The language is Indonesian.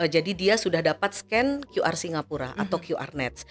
jadi dia sudah dapat scan qr singapura atau qr net